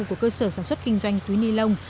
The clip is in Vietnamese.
của cơ sở sản xuất kinh doanh túi ni lông